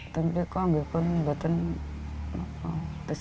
tapi kalau saya tidak bisa